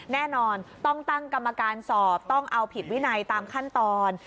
แน่นอนต้องตั้งกรรมการสอบต้องเอาผิดวินัยตามขั้นตอน